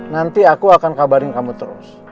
nanti aku akan kabarin kamu terus